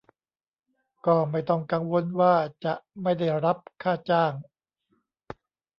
ก็ไม่ต้องกังวลว่าจะไม่ได้รับค่าจ้าง